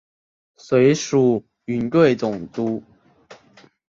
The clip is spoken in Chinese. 随署云贵总督。